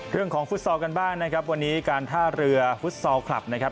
ฟุตซอลกันบ้างนะครับวันนี้การท่าเรือฟุตซอลคลับนะครับ